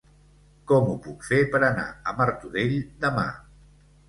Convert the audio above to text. Com ho puc fer per anar a Martorell demà?